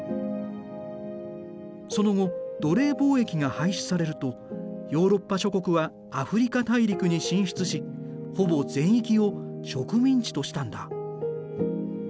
その後奴隷貿易が廃止されるとヨーロッパ諸国はアフリカ大陸に進出しほぼ全域を植民地としたんだ。